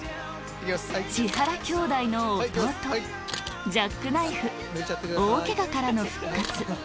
「千原兄弟の弟」「ジャックナイフ」「大ケガからの復活」